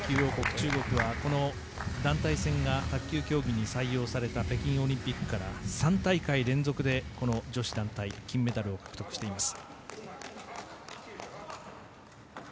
中国は団体戦が卓球競技に採用された北京オリンピックから３大会連続で女子団体金メダルを獲得しています。